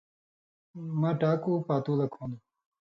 مہ ٹاکُو پاتُولک ہُوندوۡ۔